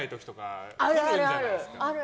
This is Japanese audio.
あるある！